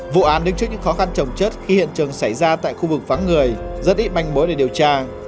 vụ án đứng trước những khó khăn trồng chất khi hiện trường xảy ra tại khu vực vắng người rất ít manh mối để điều tra